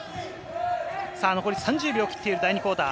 残り３０秒を切っている第２クオーター。